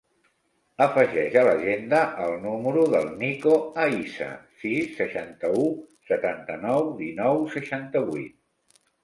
Afegeix a l'agenda el número del Niko Aisa: sis, seixanta-u, setanta-nou, dinou, seixanta-vuit.